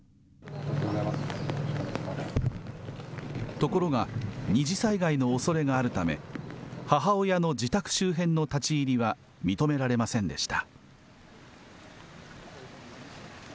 ところが、二次災害のおそれがあるため、母親の自宅周辺の立ち入りは認められませんでした。